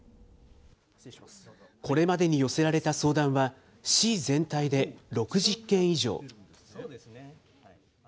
これまでに寄せられた相談は、市全体で６０件以上。